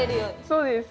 そうです。